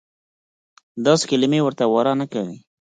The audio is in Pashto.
داسې کلیمې ورته واره نه کوي.